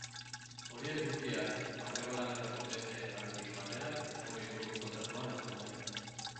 Horiek guztiak, aurreko lanetako beste abestiekin batera, izango ditugu kontzertuan entzungai.